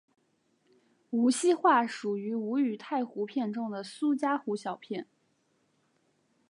无锡话属于吴语太湖片中的苏嘉湖小片。